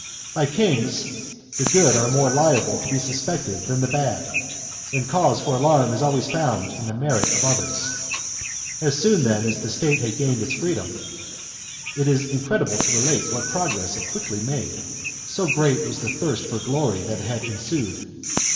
By kings the good are more liable to be suspected than the bad, and cause for alarm is always found in the merit of others. As soon, then, as the state had gained its freedom, it is incred ible to /elate what progress it quickly made ; so great was the thirst for glory that had ensued.